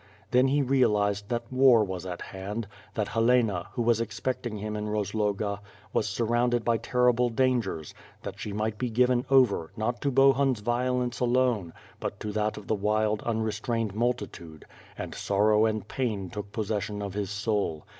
Then he realized that war was at hand, that Helena, who was ex])ecting him in Kozloga, was surrounded by terrilile dangers, that she might be given over, not to Bohun's violence alone, but to that of the wild, unrestrained multitude, and sorrow and pain took possession of his soul.